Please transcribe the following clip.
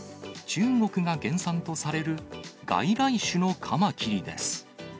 中国が原産とされる外来種のカマキリです。